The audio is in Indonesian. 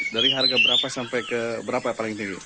dari harga berapa sampai ke berapa paling tinggi